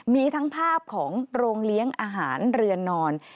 มีทั้งภาพของโรงเลี้ยงอาหารเรือนนอน